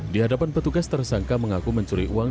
di hadapan petugas tersangka mengaku mencuri uang